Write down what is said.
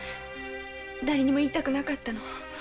だれにも言いたくなかったの。